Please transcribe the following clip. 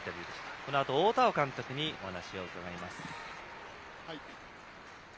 このあと大田尾監督にお話を伺います。